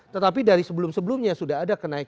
tetapi dari sebelum sebelumnya sudah ada kenaikan